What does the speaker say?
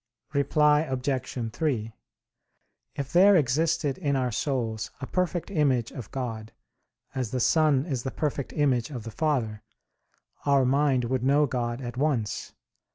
Reply Obj. 3: If there existed in our souls a perfect image of God, as the Son is the perfect image of the Father, our mind would know God at once.